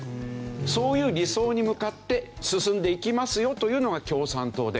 そういう理想に向かって進んでいきますよというのが共産党で。